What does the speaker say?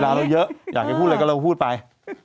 เวลาเราเยอะอยากก็พูดเลยก็ลงพูดไป